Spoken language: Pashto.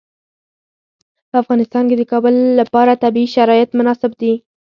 په افغانستان کې د کابل لپاره طبیعي شرایط مناسب دي.